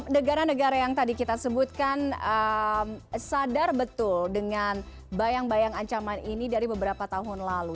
negara negara yang tadi kita sebutkan sadar betul dengan bayang bayang ancaman ini dari beberapa tahun lalu